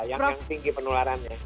yang tinggi penularannya